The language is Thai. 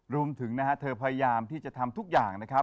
รวมถึงนะฮะเธอพยายามที่จะทำทุกอย่างนะครับ